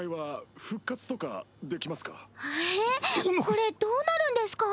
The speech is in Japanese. これどうなるんですか？